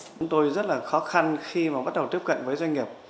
chúng tôi rất là khó khăn khi mà bắt đầu tiếp cận với doanh nghiệp